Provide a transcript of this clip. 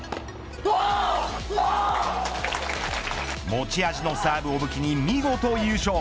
持ち味のサーブを武器に見事優勝。